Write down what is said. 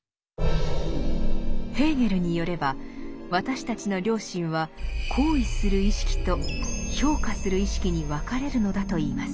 ヘーゲルによれば私たちの良心は「行為する意識」と「評価する意識」に分かれるのだといいます。